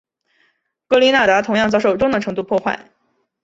格林纳达同样遭受中等程度破坏。